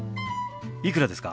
いくらですか？